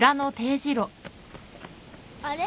あれ？